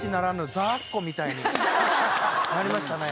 みたいになりましたね。